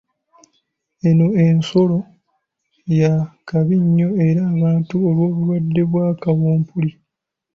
Eno ensolo ya kabi nnyo eri abantu olw'obulwadde bwa kawumpuli.